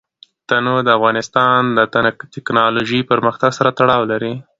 تنوع د افغانستان د تکنالوژۍ پرمختګ سره تړاو لري.